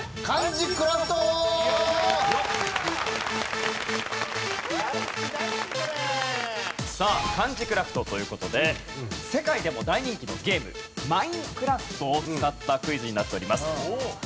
漢字クラフトという事で世界でも大人気のゲーム『マインクラフト』を使ったクイズになっております。